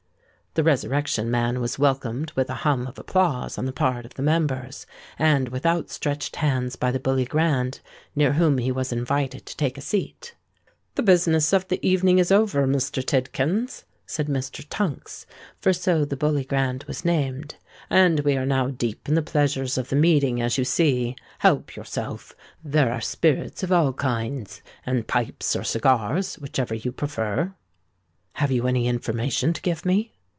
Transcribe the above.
The Resurrection Man was welcomed with a hum of applause on the part of the members, and with out stretched hands by the Bully Grand near whom he was invited to take a seat. "The business of the evening is over, Mr. Tidkins," said Mr. Tunks,—for so the Bully Grand was named; "and we are now deep in the pleasures of the meeting, as you see. Help yourself! There are spirits of all kinds, and pipes or cigars—whichever you prefer." "Have you any information to give me?"